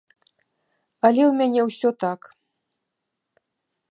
Але ў мяне ўсё так!